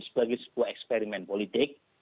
sebagai sebuah eksperimen politik